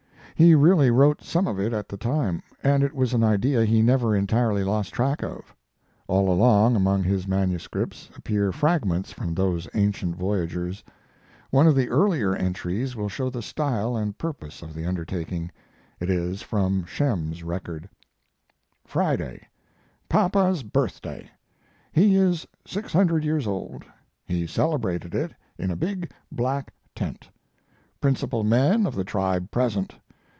He really wrote some of it at the time, and it was an idea he never entirely lost track of. All along among his manuscripts appear fragments from those ancient voyagers. One of the earlier entries will show the style and purpose of the undertaking. It is from Shem's record: Friday: Papa's birthday. He is 600 years old. We celebrated it in a big, black tent. Principal men of the tribe present.